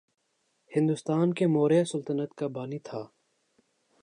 ہندوستان کی موریا سلطنت کا بانی تھا